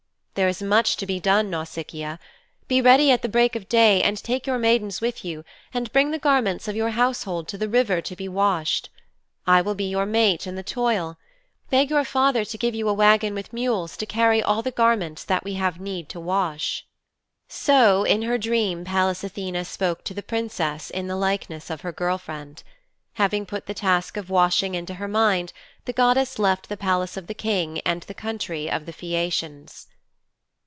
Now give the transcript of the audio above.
There is much to be done, Nausicaa. Be ready at the break of day, and take your maidens with you, and bring the garments of your household to the river to be washed. I will be your mate in the toil. Beg your father to give you a wagon with mules to carry all the garments that we have need to wash.' So in her dream Pallas Athene spoke to the Princess in the likeness of her girl friend. Having put the task of washing into her mind, the goddess left the Palace of the King and the country of the Phæacians.